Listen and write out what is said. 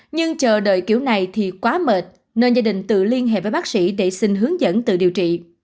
nhưng chờ đợi kiểu này thì quá mệt nên gia đình tự liên hệ với bác sĩ để xin hướng dẫn tự điều trị